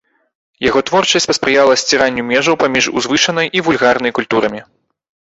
Яго творчасць паспрыяла сціранню межаў паміж узвышанай і вульгарнай культурамі.